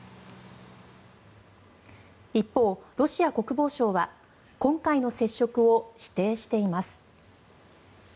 一方、ロシア国防省は今回の接触を否定しています。